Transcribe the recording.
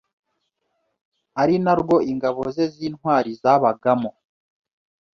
ari na rwo ingabo ze z’intwari zabagamo.